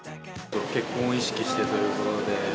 結婚を意識してということで。